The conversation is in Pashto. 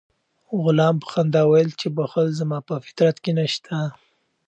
غلام په خندا وویل چې بخل زما په فطرت کې نشته.